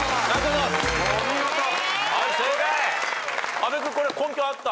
阿部君これ根拠あった？